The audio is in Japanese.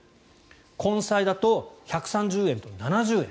根菜だと１３０円と７０円。